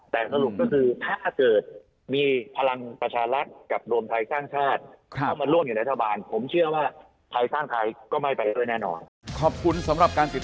แต่สรุปก็คือถ้าเกิดมีพลังปัชฌรัฐกับรวมไทยสร้างชาติ